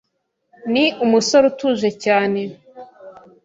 Ni umusore utuje cyane,